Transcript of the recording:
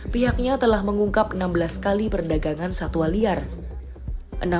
pihaknya telah mengungkap enam belas kali perdagangan satuan